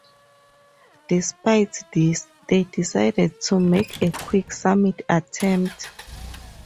Despite this, they decided to make a quick summit attempt.